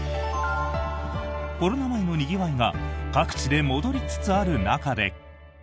コロナ前のにぎわいが各地で戻りつつある中で。